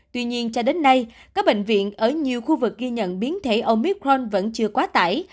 tuy nhiên cho đến nay các bệnh viện ở nhiều khu vực ghi nhận biến thể omicron vẫn chưa quá tải